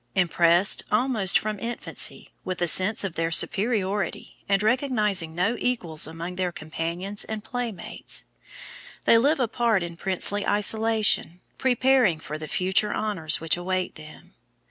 Impressed, almost from infancy, with a sense of their superiority, and recognizing no equals among their companions and playmates, they live apart in princely isolation, preparing for the future honors which await them.